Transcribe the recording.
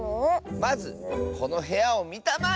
まずこのへやをみたまえ！